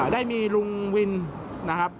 ได้มีลุงวินนะครับ